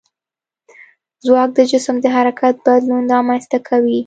ځواک د جسم د حرکت بدلون رامنځته کوي.